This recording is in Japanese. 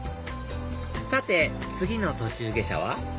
さて次の途中下車は？